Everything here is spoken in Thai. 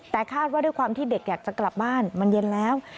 แต่คาดว่าด้วยความที่เด็กอยากจะกลับบ้านมันเย็นแล้ว